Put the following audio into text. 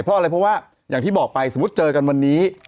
เพราะอะไรเพราะว่าอย่างที่บอกไปสมมุติเจอกันวันนี้